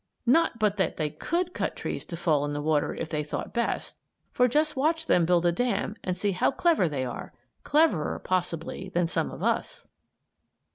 Not but what they could cut trees to fall in the water if they thought best; for just watch them build a dam and see how clever they are; cleverer, possibly, than some of us.